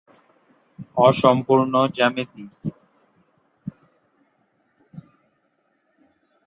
অসম্পূর্ণ জ্যামিতি।